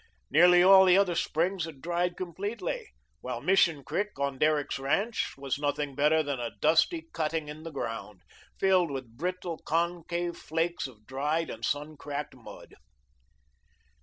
Nearly all the other springs had dried completely, while Mission Creek on Derrick's ranch was nothing better than a dusty cutting in the ground, filled with brittle, concave flakes of dried and sun cracked mud.